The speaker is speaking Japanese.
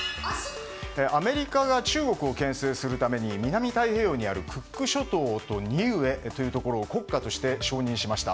アメリカが中国を牽制するために南太平洋にあるクック諸島とニウエというところを国家として承認しました。